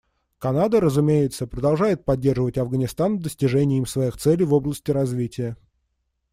Канада, разумеется, продолжает поддерживать Афганистан в достижении им своих целей в области развития.